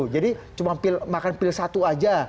cuma makan pil satu aja